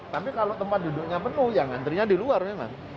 tapi kalau tempat duduknya penuh ya ngantrinya di luar memang